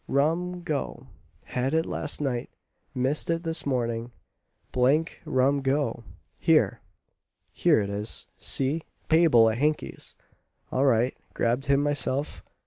Rum go had it last night, missed it this morning d d rum go! Here here it is, see; payable at Hankey's all right grabbed him myself.